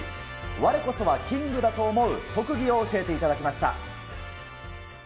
われこそはキングだと思う特技を教えていただきました。